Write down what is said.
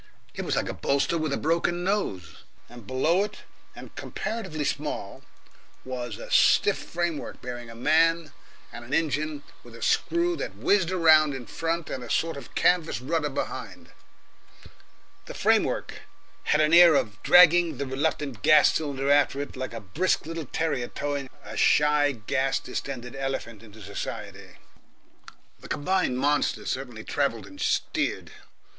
It was like a bolster with a broken nose, and below it, and comparatively small, was a stiff framework bearing a man and an engine with a screw that whizzed round in front and a sort of canvas rudder behind. The framework had an air of dragging the reluctant gas cylinder after it like a brisk little terrier towing a shy gas distended elephant into society. The combined monster certainly travelled and steered.